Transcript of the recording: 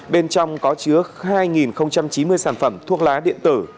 bên trong có chứa hai chín mươi sản phẩm thuốc lá điện tử